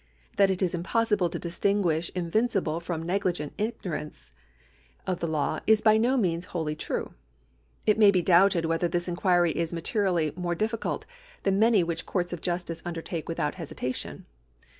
That it is impossible to distinguish invincible from negligent ignorance of the law is by no means wholly true. It may be doubted whether this inquiry is materially more difficult than many which courts of justice undertake without hesitation.